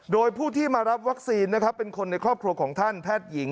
โดยผู้ที่มารับวัคซีนนะครับเป็นคนในครอบครัวของท่านแพทย์หญิง